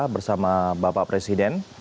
bersama bapak presiden